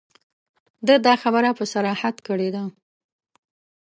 ده دا خبره په صراحت کړې ده.